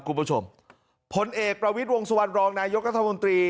คุณผู้ชมผลเอกประวิตรวงสวรรค์รองนายกระทะมนตรี